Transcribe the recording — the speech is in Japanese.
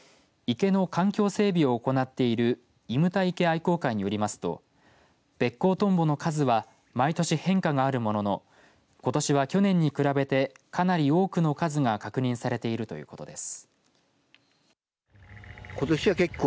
池の環境整備を行っているいむた池愛好会によりますとベッコウトンボの数は毎年変化があるもののことしは去年に比べてかなり多くの数が確認されているということです。